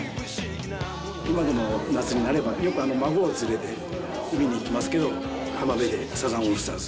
今でも夏になれば、よく孫を連れて、海に行きますけれども、浜辺でサザンオールスターズ。